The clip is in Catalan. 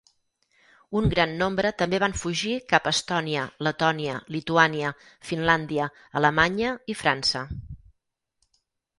Un gran nombre també van fugir cap a Estònia, Letònia, Lituània, Finlàndia, Alemanya i França.